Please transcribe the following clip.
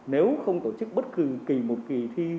nếu không tổ chức bất kỳ một kỳ thi